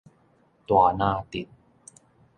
大林鎮